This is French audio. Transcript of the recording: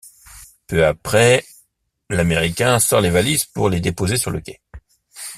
Peu après, l'Américain sort les valises pour les déposer sur le quai.